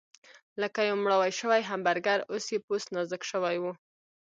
لکه یو مړاوی شوی همبرګر، اوس یې پوست نازک شوی و.